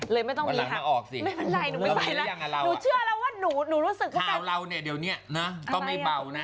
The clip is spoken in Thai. เลยไม่ต้องมีค่ะไม่เป็นไรหนูไม่ใส่แล้วหนูเชื่อแล้วว่าหนูรู้สึกว่าเป็นขาวเราเนี่ยเดี๋ยวเนี่ยต้องมีเบานะ